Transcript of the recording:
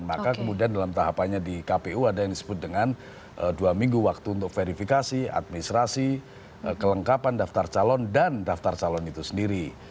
maka kemudian dalam tahapannya di kpu ada yang disebut dengan dua minggu waktu untuk verifikasi administrasi kelengkapan daftar calon dan daftar calon itu sendiri